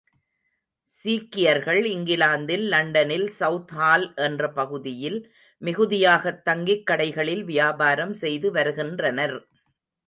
சீக்கியர்கள் இங்கிலாந்தில் லண்டனில் செளத்ஹால் என்ற பகுதியில் மிகுதியாகத் தங்கிக் கடைகளில் வியாபாரம் செய்து வரு கின்றனர்.